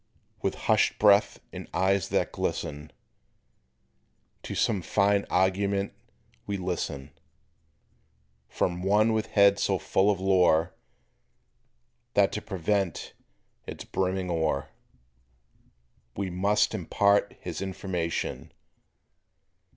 With hushed breath and eyes that glisten, To some fine argument we listen, From one with head so full of lore That to prevent its brimming o'er He must impart his information.